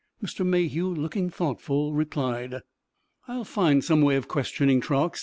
Mr. Mayhew, looking thoughtful, replied: "I'll find some way of questioning Truax.